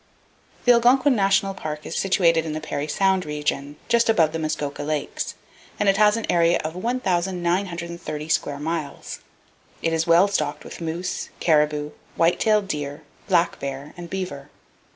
The Algonquin National Park is situated in the Parry Sound region, just above the Muskoka Lakes, and it has an area of 1,930 square miles. It is well stocked with moose, caribou, white tailed deer, black bear and beaver.